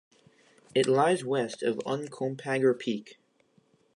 It lies west of Uncompahgre Peak.